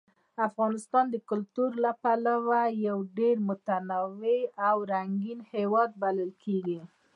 افغانستان د کلتور له پلوه یو ډېر متنوع او رنګین هېواد بلل کېږي.